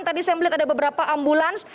tadi saya melihat ada beberapa ambulans